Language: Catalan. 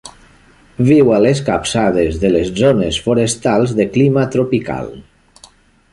Viu a les capçades de les zones forestals de clima tropical.